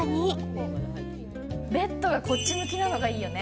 ベッドがこっち向きなのがいいよね。